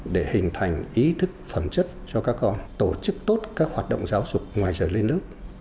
để hình thành ý thức phẩm chất cho các con tổ chức tốt các hoạt động giáo dục ngoài giờ lên lớp